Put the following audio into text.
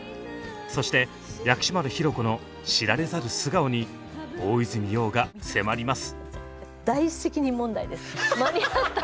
そして薬師丸ひろ子の知られざる素顔に大泉洋が迫ります！